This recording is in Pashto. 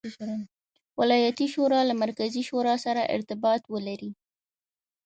ولایتي شورا له مرکزي شورا سره ارتباط ولري.